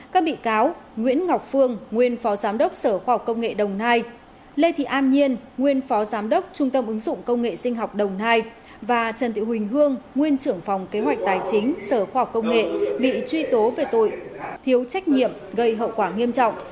các bị cáo nguyễn ngọc phương nguyên phó giám đốc sở khoa học công nghệ đồng nai lê thị an nhiên nguyên phó giám đốc trung tâm ứng dụng công nghệ sinh học đồng nai và trần thị huỳnh hương nguyên trưởng phòng kế hoạch tài chính sở khoa học công nghệ bị truy tố về tội thiếu trách nhiệm gây hậu quả nghiêm trọng